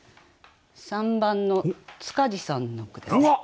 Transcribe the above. ３番の塚地さんの句ですね。